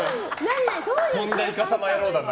とんだいかさま野郎だな。